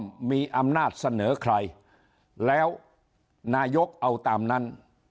ไปโยนให้บิ๊กป้อมมีอำนาจเสนอใครแล้วนายกเอาตามนั้น